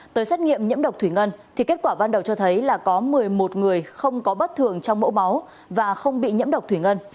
tới xét nghiệm nhiễm độc thủy ngân thì kết quả ban đầu cho thấy là có một mươi một người không có bất thường trong mẫu máu và không bị nhiễm độc thủy ngân